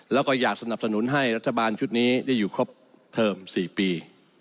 แล้วก็อยากสนับสนุนให้รัฐบาลชุดนี้ได้อยู่ครบเทอม๔ปี